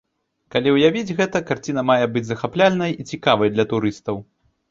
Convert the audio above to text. Калі ўявіць гэта, карціна мае быць захапляльнай і цікавай для турыстаў.